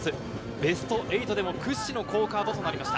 ベスト８でも屈指の好カードとなりました。